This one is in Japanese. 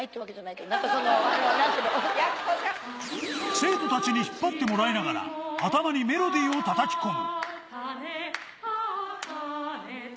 生徒たちに引っ張ってもらいながら、頭にメロディーを叩き込む。